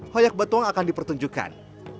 hoyak batuang akan dipertunjukkan